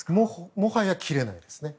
もはや切れないですね。